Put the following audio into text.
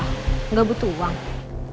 gak butuh uang